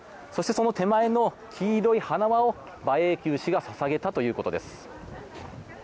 その手前の黄色い花輪を馬英九氏が捧げたということです。